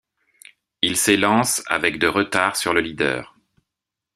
Ils s’élancent avec de retard sur le leader.